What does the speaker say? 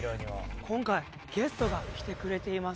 今回ゲストが来てくれています。